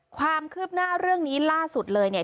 ความคืบหน้าเรื่องนี้ล่าสุดเลยเนี่ย